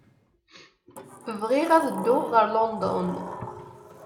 Bɣiɣ ad dduɣ ɣer London.